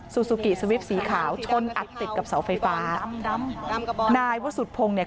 ซูกิสวิปสีขาวชนอัดติดกับเสาไฟฟ้านายวสุดพงศ์เนี่ย